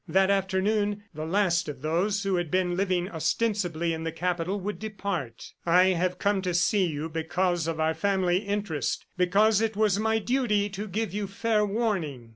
That afternoon the last of those who had been living ostensibly in the Capital would depart. "I have come to see you because of our family interest, because it was my duty to give you fair warning.